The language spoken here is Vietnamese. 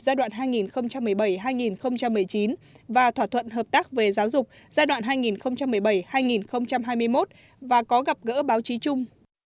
giai đoạn hai nghìn một mươi bảy hai nghìn một mươi chín và thỏa thuận hợp tác về giáo dục giai đoạn hai nghìn một mươi bảy hai nghìn hai mươi một và có gặp gỡ báo chí chung